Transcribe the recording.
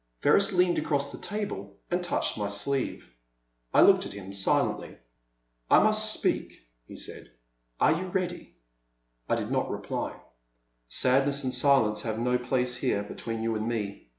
Ferris leaned across the table and touched my sleeve. I looked at him silently. I must speak," he said ;are you ready ?" I did not reply. *' Sadness and silence have no place here, be tween you and me.